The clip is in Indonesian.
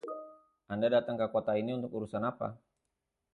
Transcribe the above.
Anda datang ke kota ini untuk urusan apa?